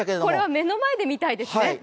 これは目の前で見たいですね。